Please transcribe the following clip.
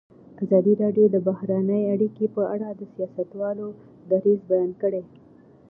ازادي راډیو د بهرنۍ اړیکې په اړه د سیاستوالو دریځ بیان کړی.